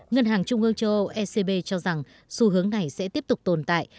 ngân hàng trung ương châu âu ecb cho rằng xu hướng này sẽ tiếp tục tồn tại